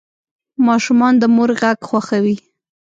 ماشومان د مور غږ خوښوي.